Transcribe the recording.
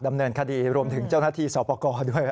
ดำเนินคดีรวมถึงเจ้าหน้าที่สอบประกอบด้วย